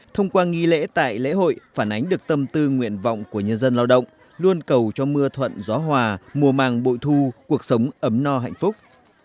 thông qua nghi lễ tại lễ hội phản ánh được tâm tư nguyện vọng của nhân dân lao động luôn cầu cho mưa thuận gió hòa mùa màng bội thu cuộc sống ấm no hạnh phúc